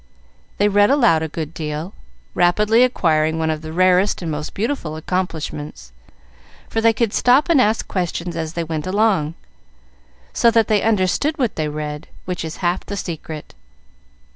They read aloud a good deal, rapidly acquiring one of the rarest and most beautiful accomplishments; for they could stop and ask questions as they went along, so that they understood what they read, which is half the secret.